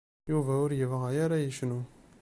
Yuba ur yebɣa ara yecnu.